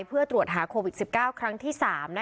เพื่อตรวจหาโควิด๑๙ครั้งที่๓